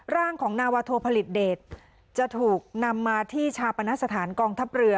ร่างของนาวาโทผลิตเดชจะถูกนำมาที่ชาปณสถานกองทัพเรือ